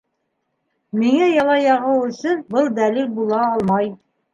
- Миңә яла яғыу өсөн был дәлил була алмай.